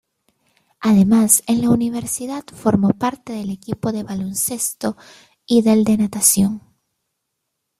Además, en la universidad formó parte del equipo de baloncesto y del de natación.